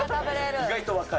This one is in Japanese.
意外と若い。